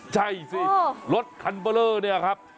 ใช่สิรถคันเบลอเนี่ยครับ